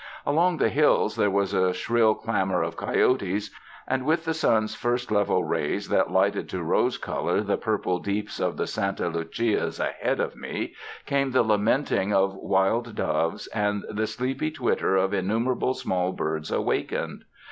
Along the hills there was a shrill clamor of coyotes, and with the sun's first level rays that lighted to rose color the purple deeps of the Santa Lucias ahead of me, came the lamenting of wild doves and the sleepy twitter of innumerable small birds awakened.